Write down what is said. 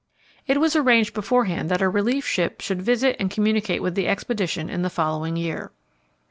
It was arranged beforehand that a relief ship should visit and communicate with the expedition in the following year.